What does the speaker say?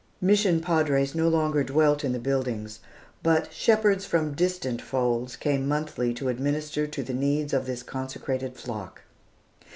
Mission padres no longer dwelt in the buildings, but shepherds from distant folds came monthly to administer to the needs of this consecrated flock.